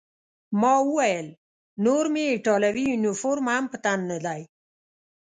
ما وویل: نور مې ایټالوي یونیفورم هم په تن نه دی.